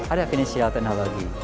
ada fintech ada teknologi